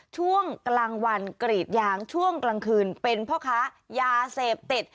ช่วงกลางวันกรีดยางช่วงกลางคืนเป็นพ่อค้ายาเสพติด